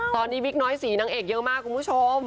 ตอนนี้วิกน้อยสีนางเอกเยอะมากคุณผู้ชม